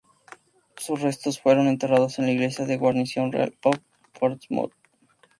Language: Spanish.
Sus restos fueron enterrados en la iglesia de la Guarnición Real en Portsmouth.